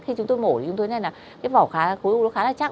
khi chúng tôi mổ thì chúng tôi nhận là cái vỏ khối u nó khá là chắc